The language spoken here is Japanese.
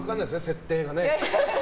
設定がね。